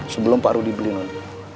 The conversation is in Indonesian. sebelum pak rudi beli non